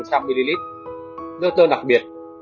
nước tương đặc biệt